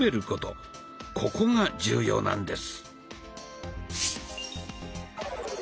ここが重要なんです。